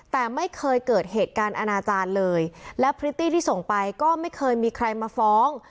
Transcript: แต่ไม่เคยเกิดเหตุการณ์อนาจารย์เลยและพริตตี้ที่ส่งไปก็ไม่เคยมีใครมาฟ้อง